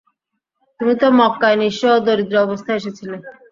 তুমি তো মক্কায় নিঃস্ব ও দরিদ্র অবস্থায় এসেছিলে।